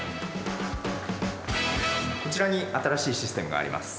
こちらに新しいシステムがあります。